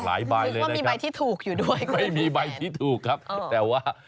หลายใบเลยนะครับไม่มีใบที่ถูกครับแต่ว่าคือว่ามีใบที่ถูกอยู่ด้วย